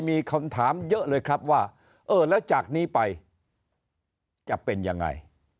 มีคำถามเยอะเลยครับว่าเออแล้วจากนี้ไปจะเป็นยังไง